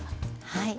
はい。